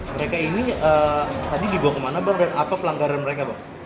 mereka ini tadi dibawa kemana bang apa pelanggaran mereka bang